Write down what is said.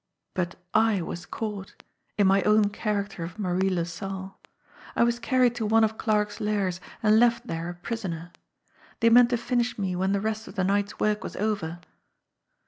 But / was caught and in my own character of Marie LaSalle. I was carried to one of Clarke's lairs, and left there a prisoner. They meant to finish me when the rest of the night's work was over.